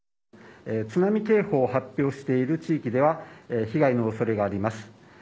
津波警報を発表している地域では被害の恐れがあります。